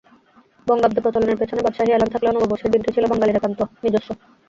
বঙ্গাব্দ প্রচলনের পেছনে বাদশাহি এলান থাকলেও নববর্ষের দিনটি ছিল বাঙালির একান্ত নিজস্ব।